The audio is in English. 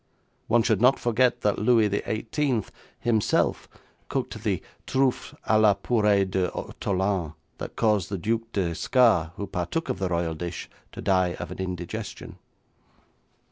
One should not forget that Louis XVIII himself cooked the truffes à la purée d'ortolans that caused the Duc d'Escars, who partook of the royal dish, to die of an indigestion.